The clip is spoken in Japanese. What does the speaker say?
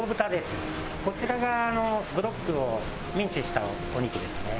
こちらがブロックをミンチしたお肉ですね。